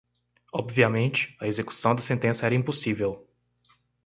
Obviamente, a execução da sentença era impossível.